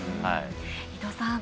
伊藤さん